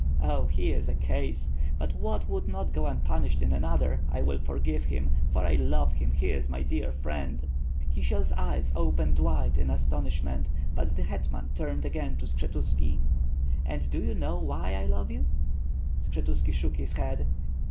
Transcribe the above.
Oh, he is a case! But what w^ould not go unpunished in another, I will forgive him, for I love him; he is my dear friend." Kisiel's eyes opened wide in astonishment, but the hetman turned again to Skshetuski.' "And do you know why I love you?" Skshetuski shook his head.